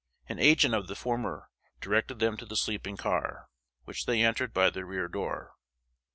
An agent of the former directed them to the sleeping car, which they entered by the rear door.